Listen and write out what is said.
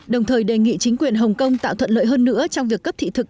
đồng thời đề nghị chính quyền hồng kông tạo thuận lợi hơn nữa trong việc cấp thị thực